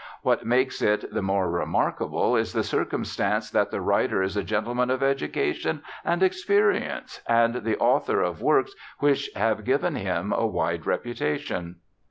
What makes it the more remarkable is the circumstance that the writer is a gentleman of education and experience, and the author of works which have given him a wide repu tation.'